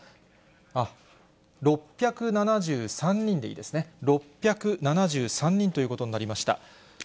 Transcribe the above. あっ、６７３人でいいですね、６７３人ということになりました。